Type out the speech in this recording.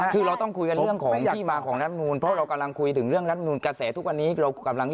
คุณสมมุติว่ามัน